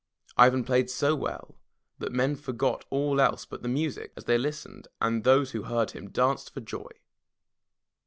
Ivan played so well that men forgot all else but the music as they listened, and those who heard him danced for joy.